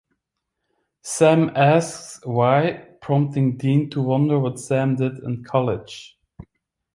Sam asks why, prompting Dean to wonder what Sam did in college.